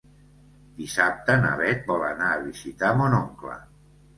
Dissabte na Beth vol anar a visitar mon oncle.